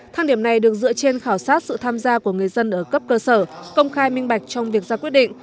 thang điểm này được dựa trên khảo sát sự tham gia của người dân ở cấp cơ sở công khai minh bạch trong việc ra quyết định